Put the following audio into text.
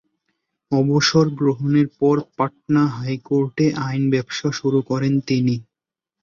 অবসর গ্রহণের পর পাটনা হাইকোর্টে আইন ব্যবসা শুরু করেন তিনি।